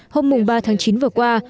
hôm ba tháng chín vừa qua